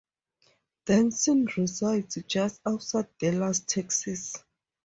Denson resides just outside Dallas, Texas.